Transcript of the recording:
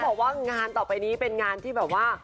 บอกว่างานต่อไปนี้เป็นงานที่แบบว่า